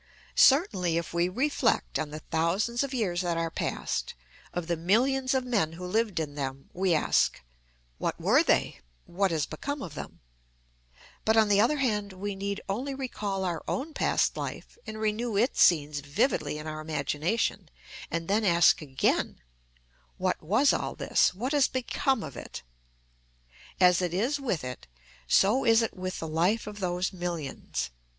Certainly, if we reflect on the thousands of years that are past, of the millions of men who lived in them, we ask, What were they? what has become of them? But, on the other hand, we need only recall our own past life and renew its scenes vividly in our imagination, and then ask again, What was all this? what has become of it? As it is with it, so is it with the life of those millions.